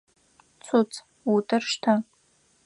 Цуц, утыр штэ!